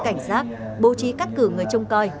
cảnh sát bố trí cắt cử người trông coi